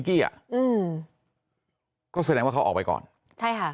แต่ภายหลังได้รับแจ้งว่ากำลังจะแต่งงาน